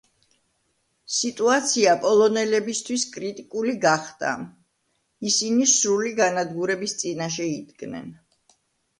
სიტუაცია პოლონელებისთვის კრიტიკული გახდა ისინი სრული განადგურების წინაშე იდგნენ.